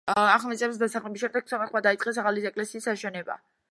ახალ მიწებზე დასახლების შემდეგ სომხებმა დაიწყეს ახალი ეკლესიის აშენება.